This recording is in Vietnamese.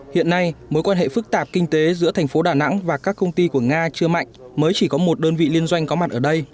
hiện nay mối quan hệ phức tạp kinh tế giữa thành phố đà nẵng và các công ty của nga chưa mạnh mới chỉ có một đơn vị liên doanh có mặt ở đây